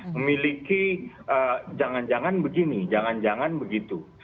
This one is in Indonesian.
memiliki jangan jangan begini jangan jangan begitu